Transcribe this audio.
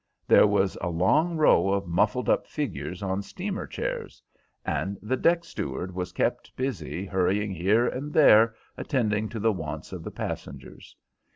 There was a long row of muffled up figures on steamer chairs, and the deck steward was kept busy hurrying here and there attending to the wants of the passengers.